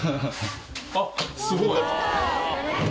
あっすごい！